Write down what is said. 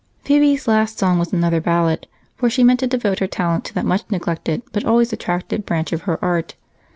Phebe's last song was another ballad; she meant to devote her talent to that much neglected but always attractive branch of her art.